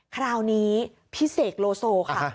คราวนี้พี่เสกโลโซค่ะ